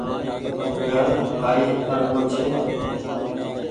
گھر ڪآئي اڙگو ڇي ۔